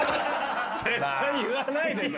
絶対言わないでしょ！